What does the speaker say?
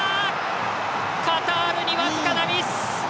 カタールに僅かなミス！